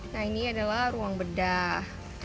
nah ini adalah ruang bedah